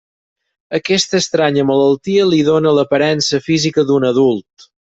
Aquesta estranya malaltia li dóna l'aparença física d'un adult.